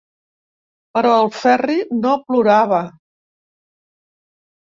Però el Ferri no plorava.